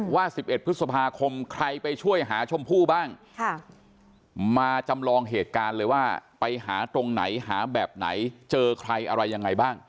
ว่า๑๑พฤษภาคมใครไปช่วยหาชมพู่บ้างมาจำลองเหตุการณ์เลยว่าไปหาตรงไหนหาแบบไหนเจอใครอะไรยังไงบ้าง